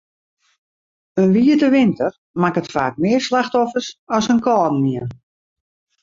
In wiete winter makket faak mear slachtoffers as in kâldenien.